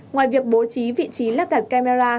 ngoài việc bố trí vị trí lắp đặt camera